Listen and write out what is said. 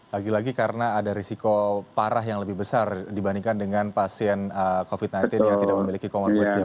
lagi lagi karena ada risiko parah yang lebih besar dibandingkan dengan pasien covid sembilan belas yang tidak memiliki comorbid